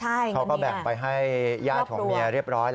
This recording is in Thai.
ใช่เงินนี้เขาก็แบ่งไปให้ย่ายถูกเมียเรียบร้อยแล้ว